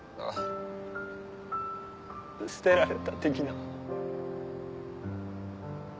捨てられた的な。